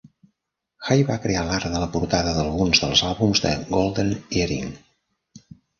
Hay va crear l'art de la portada d'alguns dels àlbums de Golden Earring.